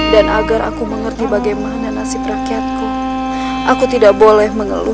dan agar aku mengerti bagaimana nasib rakyatku aku tidak boleh mengeluh